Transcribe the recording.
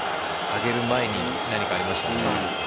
上げる前に何かありましたね。